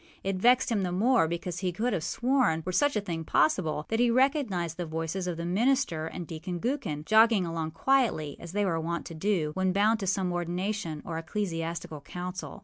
It vexed him the more, because he could have sworn, were such a thing possible, that he recognized the voices of the minister and Deacon Gookin, jogging along quietly, as they were wont to do, when bound to some ordination or ecclesiastical council.